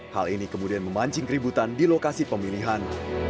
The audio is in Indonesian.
hal ini kemudian memancing keributan di lokasi pemilihan